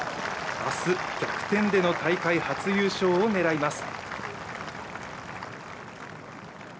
明日逆転での大会初優勝を狙います。